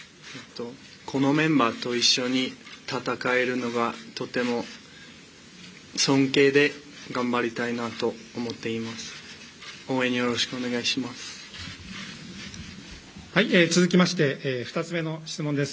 このメンバーと一緒に戦えるのはとても尊敬で頑張りたいなと思っています。